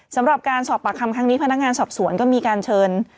สำหรับการสอบปากคำครั้งนี้พนักงานสอบสวนก็มีการเชิญ